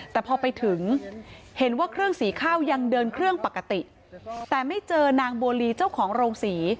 แต่พอไปถึงเห็นว่าเครื่องสีข้าวยังเดินเครื่องปกติแต่ไม่เจอนางบัวลีเจ้าของโรงศรี